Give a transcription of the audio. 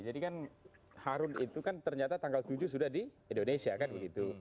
jadi kan harun itu kan ternyata tanggal tujuh sudah di indonesia kan begitu